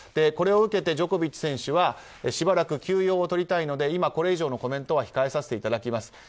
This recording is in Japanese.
これを受けてジョコビッチ選手はしばらく休養を取りたいので今これ以上のコメントは控えさせていただきます。